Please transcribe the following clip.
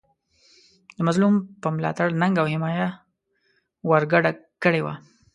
د مظلوم په ملاتړ ننګه او حمایه ورګډه کړې وه.